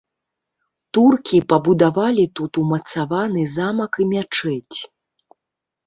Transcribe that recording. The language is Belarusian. Туркі пабудавалі тут умацаваны замак і мячэць.